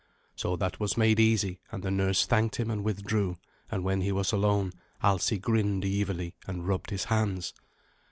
So that was made easy, and the nurse thanked him and withdrew; and when he was alone, Alsi grinned evilly and rubbed his hands.